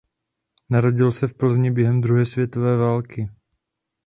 Narodil se v Plzni během druhé světové války.